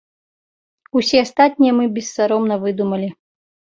Усе астатнія мы бессаромна выдумалі.